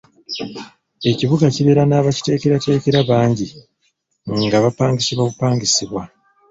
Ekibuga kibeera n'abakiteekerateekera bangi nga bapangisibwa bupangisibwa.